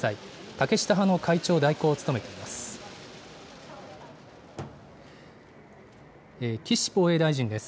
竹下派の会長代行を務めています。